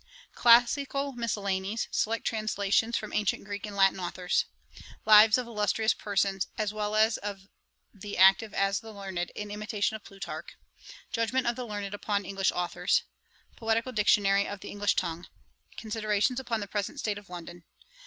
'Classical Miscellanies, Select Translations from ancient Greek and Latin authours. 'Lives of Illustrious Persons, as well of the active as the learned, in imitation of Plutarch. 'Judgement of the learned upon English authours. 'Poetical Dictionary of the English tongue. 'Considerations upon the present state of London.